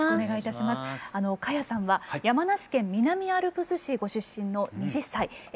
花耶さんは山梨県南アルプス市ご出身の２０歳。